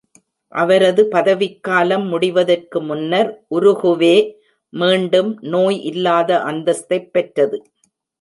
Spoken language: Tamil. அவரது பதவிக்காலம் முடிவதற்கு முன்னர், உருகுவே மீண்டும் நோய் இல்லாத அந்தஸ்தைப் பெற்றது.